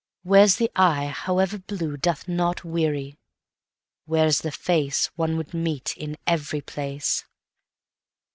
Where's the eye, however blue, Doth not weary? Where's the faceOne would meet in every place?